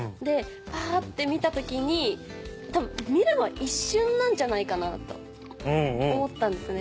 パって見た時に多分見るのは一瞬なんじゃないかなと思ったんですね。